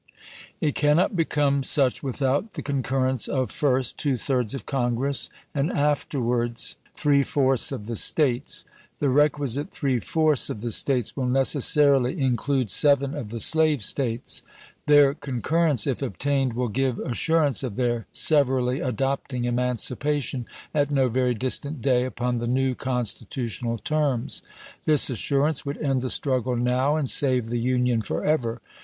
It cannot become such without the con currence of, fii'st, two thirds of CongresS; and, afterwards, GENERAI, E. V. SUMNEK. THE EDICT OF FREEDOM 401 three fourths of the States. The requisite three fourths chap.xix of the States will necessarily include seven of the slave States. Their concurrence, if obtained, will give assur ance of their severally adopting emancipation at no very distant day upon the new constitutional terms. This assurance would end the struggle now and save the Union forever.